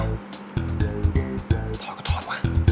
เอ้าถอดก็ถอดวะ